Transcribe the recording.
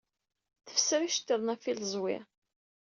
Tefser iceṭṭiḍen ɣef yileẓwi.